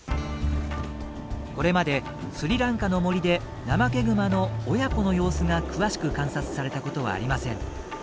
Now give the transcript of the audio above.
これまでスリランカの森でナマケグマの親子の様子が詳しく観察されたことはありません。